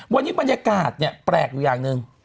วันนี้บรรยากาศเนี่ยแปลกอยู่อย่างหนึ่ง